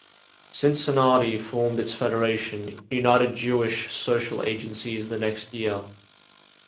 Cincinnati formed its federation, United Jewish Social Agencies, the next year.